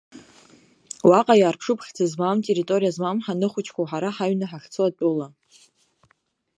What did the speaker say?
Уаҟа иаарԥшуп хьӡы змам, территориа змам, ҳаныхәҷқәоу ҳара ҳаҩны ҳахьцо атәыла.